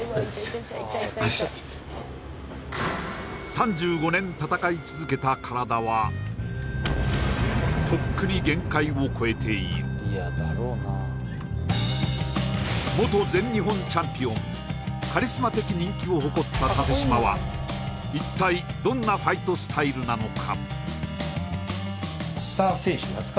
３５年戦い続けた体はとっくに限界を越えているカリスマ的人気を誇った立嶋は一体どんなファイトスタイルなのか？